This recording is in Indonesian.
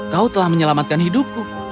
kau telah menyelamatkan hidupku